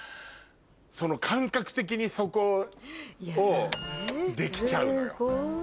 その感覚的にそこをできちゃうのよ。